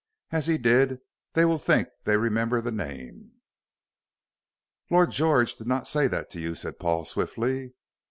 As he did, they will think they remember the name " "Lord George did not say that to you," said Paul, swiftly.